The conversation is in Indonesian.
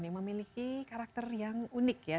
yang memiliki karakter yang unik ya